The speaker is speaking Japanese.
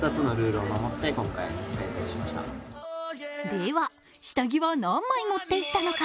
では下着は何枚持っていったのか？